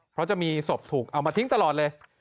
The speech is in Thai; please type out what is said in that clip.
เพราะจะมีศพถูกเอามาทิ้งตลอดเลย